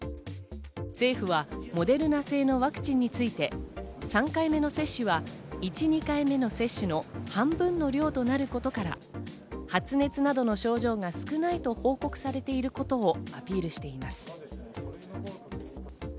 政府はモデルナ製のワクチンについて、３回目の接種は１２回目の接種の半分の量となることから、発熱などの症状が少ないと報告されていることをアピールしています。